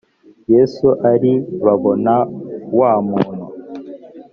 yesu ari babona na wa muntu